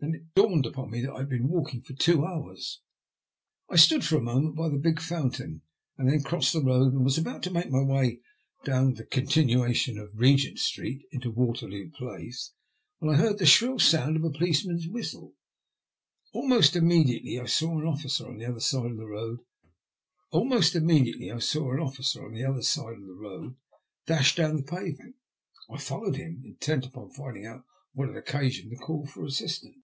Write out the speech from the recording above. Then it dawned upon me that I had been walking for two hours. I stood for a moment by the big fountain, and then crossed the road, and was about to make my way down the continuation of Begent Street into Waterloo Place, when I heard the shrill sound of a policeman's whistle. Almost immediately I saw an officer on the other side of the road dash down the pavement. I followed him, intent upon finding out what had occasioned the call for assistance.